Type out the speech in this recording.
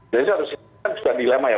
dari satu sisi kan sudah dilema ya